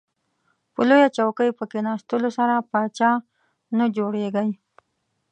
په لویه چوکۍ په کیناستلو سره پاچا نه جوړیږئ.